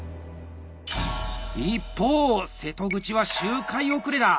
一方瀬戸口は周回遅れだ！